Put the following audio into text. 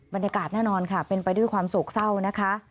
บรรยากาศแน่นอนค่ะเป็นไปด้วยความโศกเศร้านะคะ